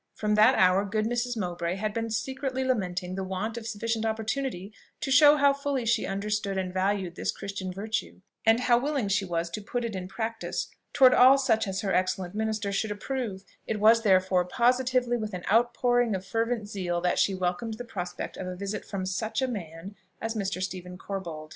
From that hour good Mrs. Mowbray had been secretly lamenting the want of sufficient opportunity to show how fully she understood and valued this Christian virtue, and how willing she was to put it in practice toward all such as her "excellent minister" should approve: it was, therefore, positively with an out pouring of fervent zeal that she welcomed the prospect of a visit from such a man as Mr. Stephen Corbold.